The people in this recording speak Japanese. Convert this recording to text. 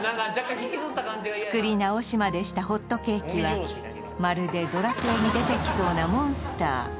作り直しまでしたホットケーキはまるでドラクエに出てきそうなモンスター